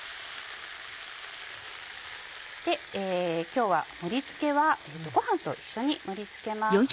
今日は盛り付けはごはんと一緒に盛り付けます。